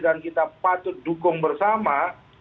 dan kita patut dukung bersama